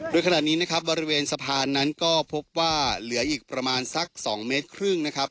โดยขณะนี้นะครับบริเวณสะพานนั้นก็พบว่าเหลืออีกประมาณสัก๒เมตรครึ่งนะครับ